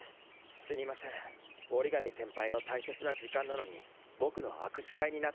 すみません折紙先輩の大切な時間なのに僕の握手会になってしまって。